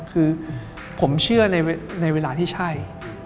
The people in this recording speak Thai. คือผมเชื่อในเวลาที่ใช่